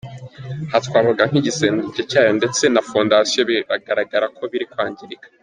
Aha twavuga nk’igisenge cyayo ndetse na fondasiyo bigaragara ko biri kwangirika.